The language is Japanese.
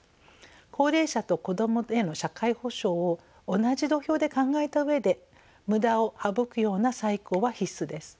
高齢者と子どもへの社会保障を同じ土俵で考えた上で無駄を省くような再考は必須です。